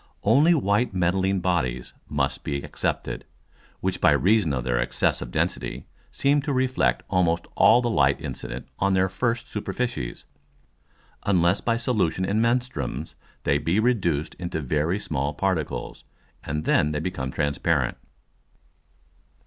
Only white metalline Bodies must be excepted, which by reason of their excessive density seem to reflect almost all the Light incident on their first Superficies; unless by solution in Menstruums they be reduced into very small Particles, and then they become transparent.